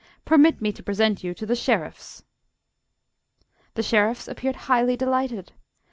Permit me to present you to the Sheriffs." The Sheriffs appeared highly delighted.